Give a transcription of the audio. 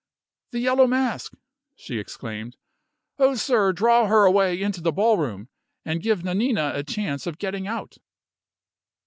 "The Yellow Mask!" she exclaimed. "Oh, sir, draw her away into the ballroom, and give Nanina a chance of getting out!"